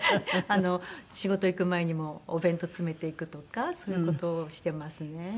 仕事行く前にもお弁当詰めていくとかそういう事をしてますね。